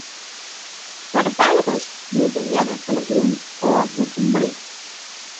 Foar de feiligens bliuwt de ljedder fan 'e grûn ôf bûten berik.